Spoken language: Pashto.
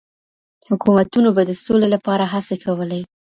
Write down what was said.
حکومتونو به د سولي لپاره هڅي کولې.